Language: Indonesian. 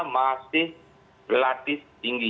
pasti relatif tinggi